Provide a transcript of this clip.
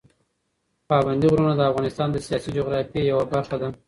پابندي غرونه د افغانستان د سیاسي جغرافیه یوه برخه ده.